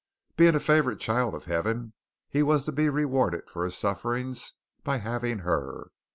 Being a favorite child of Heaven, he was to be rewarded for his sufferings by having her.